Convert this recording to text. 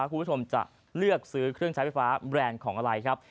คุณผู้ชมจะเลือกซื้อเครื่องใช้ไฟฟ้าแบรนด์ของอะไรครับ